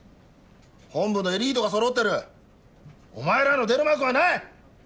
本部のエリートがそろってるお前らの出る幕はない！